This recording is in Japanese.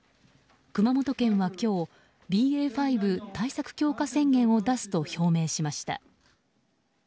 熊本県は今日ＢＡ．５対策強化宣言を出すと表明しました。